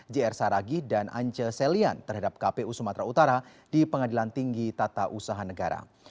jr saragih dan ance selian terhadap kpu sumatera utara di pengadilan tinggi tata usaha negara